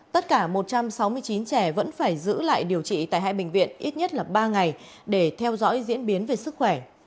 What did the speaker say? tất cả một trăm sáu mươi chín trẻ vẫn phải giữ lại điều trị tại hai bệnh viện ít nhất là ba ngày để theo dõi diễn biến về sức khỏe